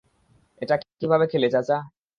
এটা কিভাবে খেলে চাচা?